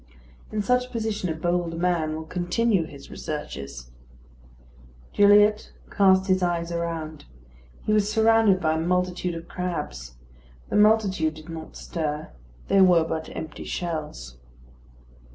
In such a position a bold man will continue his researches. Gilliatt cast his eyes around. He was surrounded by a multitude of crabs. The multitude did not stir. They were but empty shells.